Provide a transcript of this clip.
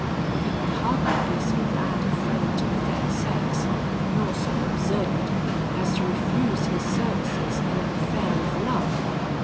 He could hardly be so bad a friend to the fair sex, nor so absurd as to refuse his services in an affair of love.